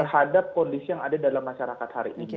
terhadap kondisi yang ada dalam masyarakat hari ini